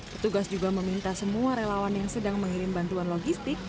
petugas juga meminta semua relawan yang sedang mengirim bantuan logistik